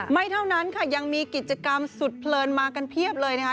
เท่านั้นค่ะยังมีกิจกรรมสุดเพลินมากันเพียบเลยนะคะ